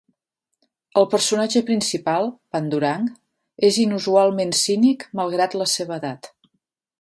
El personatge principal, Pandurang és inusualment cínic malgrat la seva edat.